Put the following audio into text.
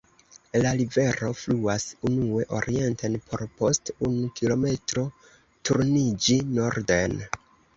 La rivero fluas unue orienten por post unu kilometro turniĝi norden.